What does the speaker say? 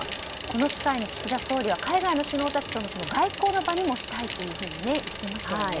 この機会に岸田総理は海外の首脳たちとの外交の場としたいとも言っていましたよね。